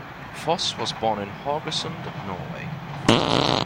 Fosse was born in Haugesund, Norway.